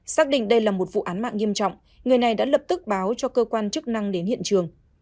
xác định đây là một vụ án mạng nghiêm trọng người này đã lập tức báo cho cơ quan chức năng đến hiện trường